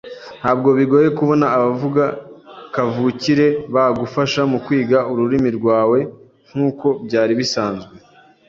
Ntabwo bigoye kubona abavuga kavukire bagufasha mukwiga ururimi rwawe nkuko byari bisanzwe.